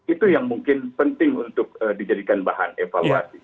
itu yang mungkin penting untuk dijadikan bahan evaluasi